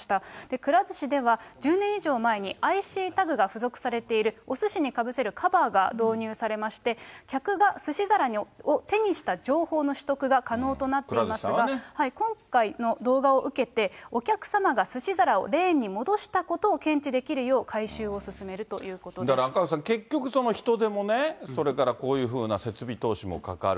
くら寿司では、１０年以上前にＩＣタグが付属されている、おすしにかぶせるカバーが導入されまして、客がすし皿を手にした情報の取得が可能となっていますが、今回の動画を受けて、お客様がすし皿をレーンに戻したことを検知できるよう、だから、赤星さん、結局、人手もね、それからこういうふうな設備投資もかかる。